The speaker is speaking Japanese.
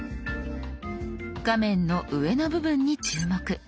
画面の上の部分に注目。